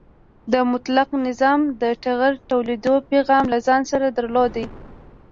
د مطلقه نظام د ټغر ټولېدو پیغام له ځان سره درلود.